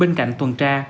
bên cạnh tuần tra